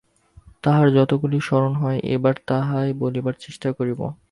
তাহার যতগুলি স্মরণ হয়, এইবার তাহাই বলিবার চেষ্টা করিব।